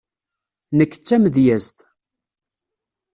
Nekk d tamedyazt.